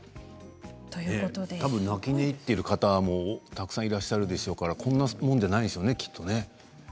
たぶん泣き寝入っている方もたくさんいらっしゃるでしょうからこんなもんじゃないんでしょうね。